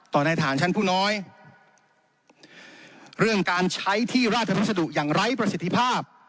ในฐานชั้นผู้น้อยเรื่องการใช้ที่ราชพัสดุอย่างไร้ประสิทธิภาพ